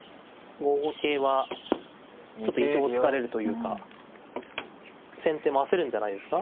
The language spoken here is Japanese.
５五桂はちょっと意表をつかれるというか先手も焦るんじゃないですか